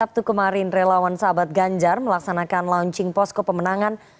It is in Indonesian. sabtu kemarin relawan sahabat ganjar melaksanakan launching posko pemenangan